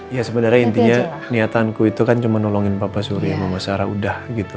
ya sebenernya intinya niatanku itu kan cuma nolongin bapak surya sama mas sarah udah gitu